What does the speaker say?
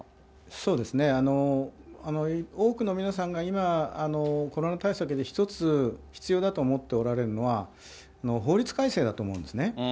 そうですね、多くの皆さんが今、コロナ対策で一つ必要だと思っておられるのは、法律改正だと思うんですね。